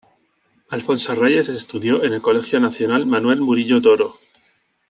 Alfonso Reyes estudió en el Colegio Nacional Manuel Murillo Toro.